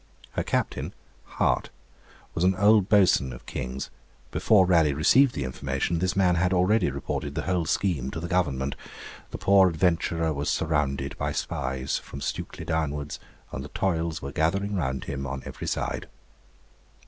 Her captain, Hart, was an old boatswain of King's; before Raleigh received the information, this man had already reported the whole scheme to the Government. The poor adventurer was surrounded by spies, from Stukely downwards, and the toils were gathering round him on every side.